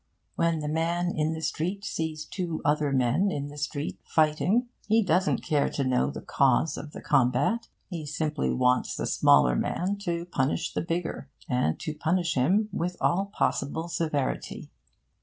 When the man in the street sees two other men in the street fighting, he doesn't care to know the cause of the combat: he simply wants the smaller man to punish the bigger, and to punish him with all possible severity.